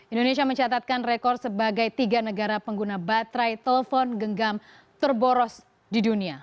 indonesia mencatatkan rekor sebagai tiga negara pengguna baterai telepon genggam terboros di dunia